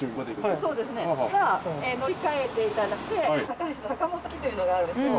そこから乗り換えていただいて高梁と坂本行きというのがあるんですけど。